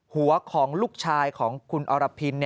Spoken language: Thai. หัวของลูกชายของคุณอรพิน